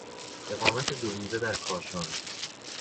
اقامت دو روزه در کاشان